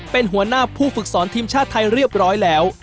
เป็นหัวหน้าผู้ฝึกสอนทีมชาติไทยเรียบร้อยแล้ว